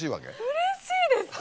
うれしいです！